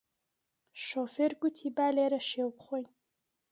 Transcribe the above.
شۆفێر گوتی با لێرە شێو بخۆین